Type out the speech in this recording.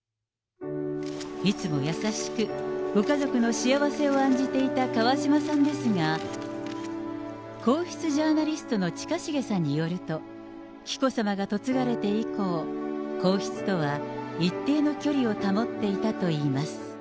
いつも優しく、ご家族の幸せを案じていた川嶋さんですが、皇室ジャーナリストの近重さんによると、紀子さまが嫁がれて以降、皇室とは一定の距離を保っていたといいます。